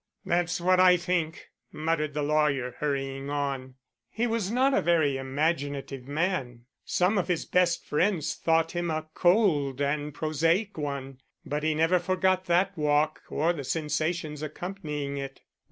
"That's what I think," muttered the lawyer, hurrying on. He was not a very imaginative man; some of his best friends thought him a cold and prosaic one, but he never forgot that walk or the sensations accompanying it.